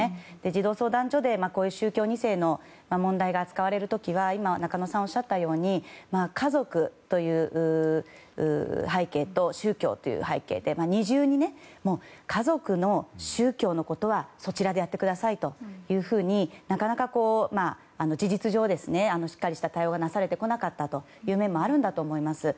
児童相談所で、宗教２世の問題が扱われる時は、今中野さんがおっしゃったように家族という背景と宗教という背景で二重にね。家族の、宗教の問題はそちらでやってくださいとなかなか事実上はしっかりした対応がなされてこなかったという面もあるんだと思います。